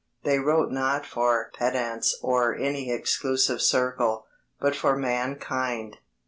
They wrote not for pedants or any exclusive circle, but for mankind.